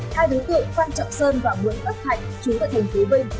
hai đối tượng phan trọng sơn và nguyễn ước thạnh trúng vào thành phố bình